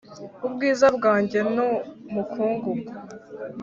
ubwiza bwanjye nu mukungugu .